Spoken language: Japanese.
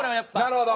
なるほど。